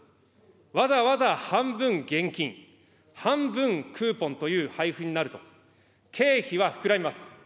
わざわざ半分現金、半分クーポンという配布になると、経費は膨らみます。